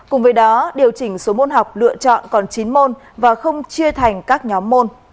cùng với đó điều chỉnh số môn học lựa chọn còn chín môn và không chia thành các nhóm môn